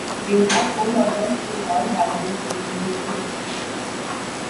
They had four daughters who all graduated from the University of Manitoba.